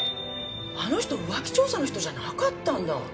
あの人浮気調査の人じゃなかったんだ。